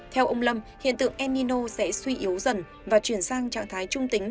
theo ông lâm hiện tượng enino sẽ suy yếu dần và chuyển sang trạng thái trung tính